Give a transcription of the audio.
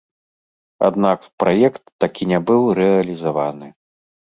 Аднак праект так і не быў рэалізаваны.